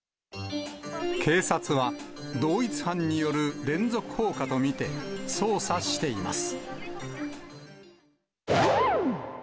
警察は、同一犯による連続放火と見て、捜査しています。